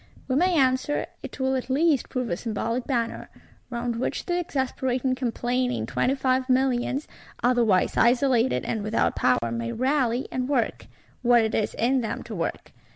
We may answer, it will at least prove a symbolic Banner; round which the exasperating complaining Twenty Five Millions, otherwise isolated and without power, may rally, and work—what it is in them to work.